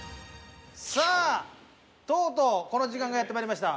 さあとうとうこの時間がやってまいりました。